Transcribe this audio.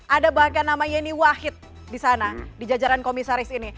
ada bahkan nama yeni wahid di sana di jajaran komisaris ini